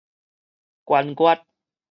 觀月